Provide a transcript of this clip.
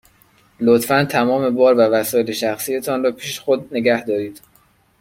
لطفاً تمام بار و وسایل شخصی تان را پیش خود نگه دارید.